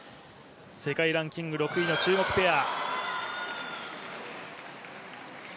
世界ランキング６位の中国ペア。